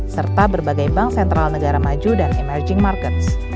serta berbagai bank sentral negara maju dan emerging markets